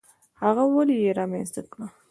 هغه ولې یې رامنځته کړه؟